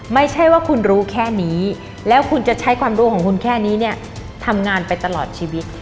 ไม่ใช่ว่าคุณรู้แค่นี้แล้วคุณจะใช้ความรู้ของคุณแค่นี้เนี่ยทำงานไปตลอดชีวิต